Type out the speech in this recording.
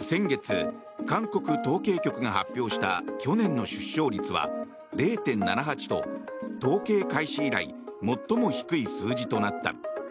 先月、韓国統計局が発表した去年の出生率は０．７８と統計開始以来最も低い数字となった。